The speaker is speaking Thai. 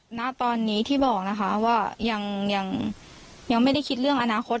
ณตอนนี้ที่บอกนะคะว่ายังไม่ได้คิดเรื่องอนาคต